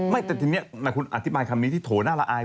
แต่ทีนี้คุณอธิบายคำนี้ที่โถน่าละอาย